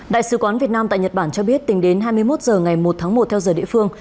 đại sứ quán việt nam tại nhật bản cho biết tính đến hai mươi một h ngày một tháng một theo giờ địa phương